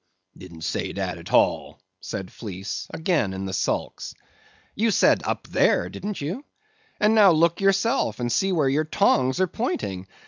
"Didn't say dat t'all," said Fleece, again in the sulks. "You said up there, didn't you? and now look yourself, and see where your tongs are pointing.